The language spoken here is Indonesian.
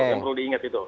yang perlu diingat itu